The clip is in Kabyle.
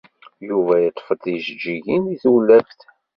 Yuba yeṭṭfed tijeǧǧigin di tewlaft.